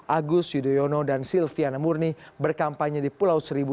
agus yudhoyono dan silviana murni berkampanye di pulau seribu